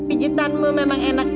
pijitanmu memang enak